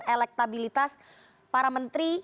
elektabilitas para menteri